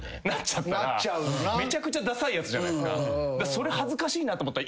それ恥ずかしいなと思ったら。